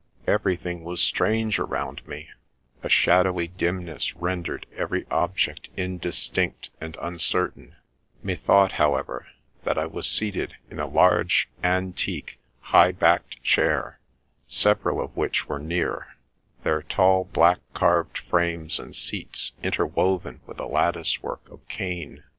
Everything was strange around me — a shadowy dimness rendered every object indistinct and uncertain ; methought, however, that I was seated in a large, antique, high backed chair, several of which were near, their tall black carved frames and seats interwoven with a lattice work of cane.